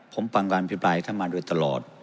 ผมฟังการอภิปรายท่านมาโดยตลอด